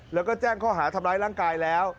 แล้วก็แจ้งข้อหาทำร้ายร่างกายแล้ว